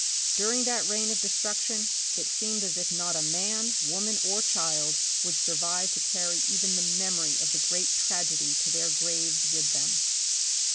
During that reign of destruction, it seemed as if not a man, woman or child would survive to carry even the memory of the great tragedy to their graves with them.